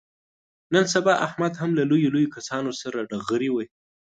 نن سبا احمد هم له لویو لویو کسانو سره ډغرې وهي.